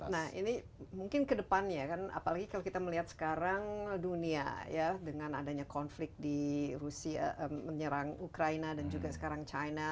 nah ini mungkin kedepannya kan apalagi kalau kita melihat sekarang dunia ya dengan adanya konflik di rusia menyerang ukraina dan juga sekarang china